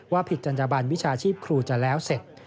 ผิดจัญญบันวิชาชีพครูจะแล้วเสร็จ